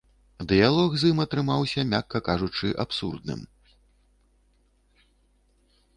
Дыялог з ім атрымаўся, мякка кажучы, абсурдным.